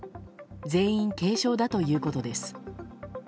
全員軽症だということです。